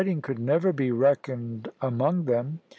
ing could never be reckoned among them.